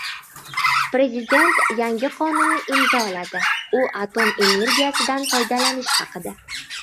Prezident yangi qonunni imzoladi. U atom energiyasidan foydalanish haqida